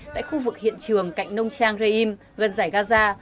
tại khu vực hiện trường cạnh nông trang raim gần giải gaza